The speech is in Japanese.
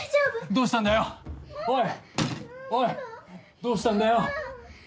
どうしたんだよおい。